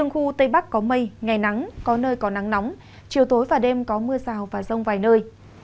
khu tây bắc có mây ngày nắng có nơi có nắng nóng chiều tối và đêm có mưa rào và rông vài nơi